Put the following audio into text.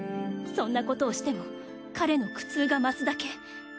そんなことをしても彼の苦痛が増すだけ。